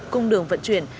cung đường vận chuyển